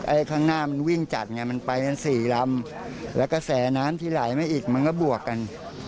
ข้างหน้ามันวิ่งจัดไงมันไปกันสี่ลำแล้วกระแสน้ำที่ไหลมาอีกมันก็บวกกัน